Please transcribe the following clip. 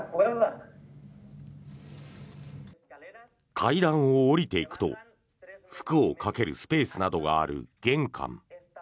階段を下りていくと服をかけるスペースなどがある玄関。